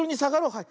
はい。